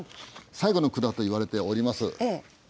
最後の句だといわれております